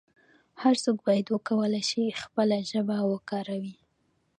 هر څوک باید وکولای شي خپله ژبه وکاروي.